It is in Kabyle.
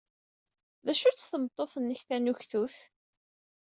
D acu-tt tmeṭṭut-nnek tanuktut?